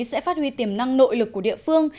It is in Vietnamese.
sẽ phát huy tiềm năng nội lực của địa phương